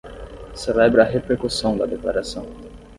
Celebra a repercussão da declaração